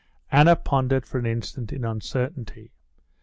Anna pondered for an instant in uncertainty.